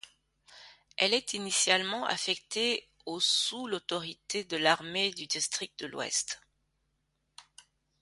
Elle est initialement affectée au sous l'autorité de l'armée du district de l'Ouest.